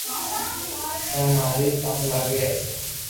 تو ماري ڪاو لاگي